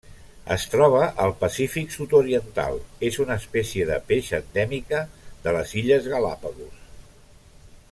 Es troba al Pacífic sud-oriental: és una espècie de peix endèmica de les Illes Galápagos.